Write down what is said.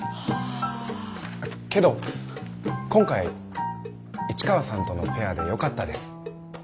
けど今回市川さんとのペアでよかったです。